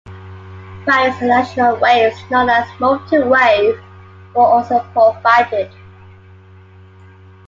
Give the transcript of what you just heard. Various additional "waves" known as "multiwave" were also provided.